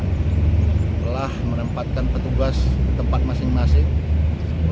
telah menempatkan petugas tempat masing masing